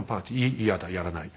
「イヤだやらない」。